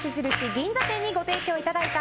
銀座店にご提供いただいた